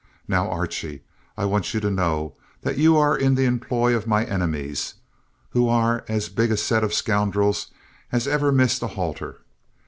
Now, Archie, I want you to know that you are in the employ of my enemies, who are as big a set of scoundrels as ever missed a halter.